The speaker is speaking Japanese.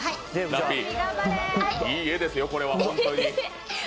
いい画ですよこれ本当に。